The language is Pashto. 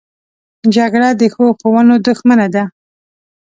جګړه د ښو ښوونو دښمنه ده